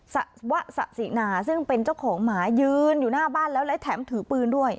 วะสะสินาซึ่งเป็นเจ้าของหมายืนอยู่หน้าบ้านแล้วและแถมถือปืนด้วย